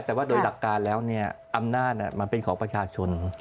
แต่ว่าโดยหลักการแล้วอำนาจมันเป็นของประชาชน